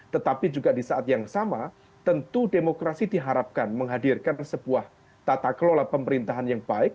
tetapi juga di saat yang sama tentu demokrasi diharapkan menghadirkan sebuah tata kelola pemerintahan yang baik